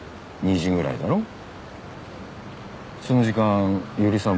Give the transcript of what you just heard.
その時間伊織さん